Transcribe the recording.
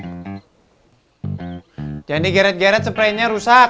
jangan digeret geret sepray nya rusak